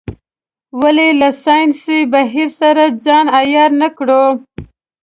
ولې له ساینسي بهیر سره ځان عیار نه کړو.